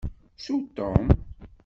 Ttu Tom!